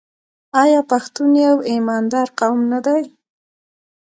آیا پښتون یو ایماندار قوم نه دی؟